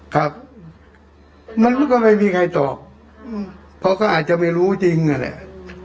ครับมันก็ไม่มีไงตอบเขาก็อาจจะไม่รู้จริงอ่ะแหละ